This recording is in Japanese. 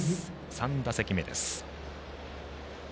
３打席目です。